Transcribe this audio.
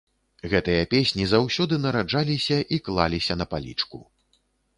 Гэтыя песні заўсёды нараджаліся і клаліся на палічку.